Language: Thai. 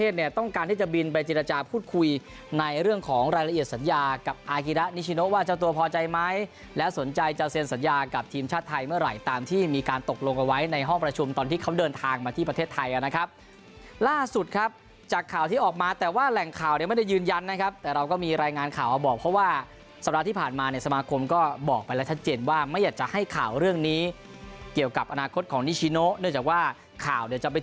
สนใจไหมและสนใจจะเซ็นสัญญากับทีมชาติไทยเมื่อไหร่ตามที่มีการตกลงเอาไว้ในห้องประชุมตอนที่เขาเดินทางมาที่ประเทศไทยนะครับล่าสุดครับจากข่าวที่ออกมาแต่ว่าแหล่งข่าวเนี่ยไม่ได้ยืนยันนะครับแต่เราก็มีรายงานข่าวบอกเพราะว่าสัปดาห์ที่ผ่านมาเนี่ยสมาคมก็บอกไปแล้วทันเจนว่าไม่อยากจะให้ข่าว